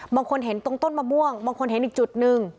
บางคนเห็นตรงต้นมะม่วงบางคนเห็นอีกจุดหนึ่ง